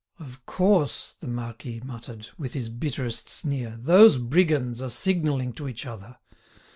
"Of course!" the marquis muttered, with his bitterest sneer, "those brigands are signalling to each other."